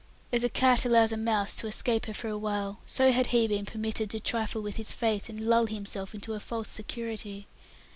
As a cat allows a mouse to escape her for a while, so had he been permitted to trifle with his fate, and lull himself into a false security.